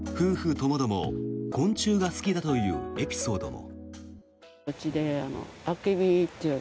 ともども昆虫が好きだというエピソードも。